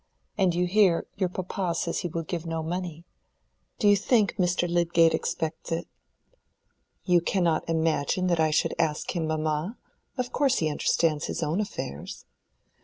And you hear, your papa says he will give no money. Do you think Mr. Lydgate expects it?" "You cannot imagine that I should ask him, mamma. Of course he understands his own affairs."